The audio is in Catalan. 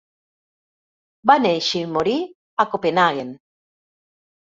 Va néixer i morir a Copenhagen.